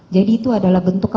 jadi itu adalah bentuknya